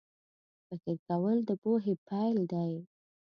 فکر کول د پوهې پیل دی